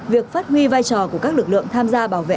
việc phát huy vai trò của các lực lượng tham gia bảo vệ